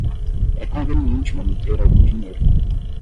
É conveniente manter algum dinheiro.